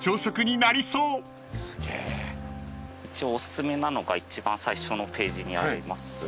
一応おすすめなのが一番最初のページにあります